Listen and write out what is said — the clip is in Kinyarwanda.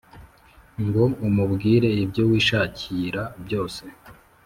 ngo umubwire ibyo wishakira byose.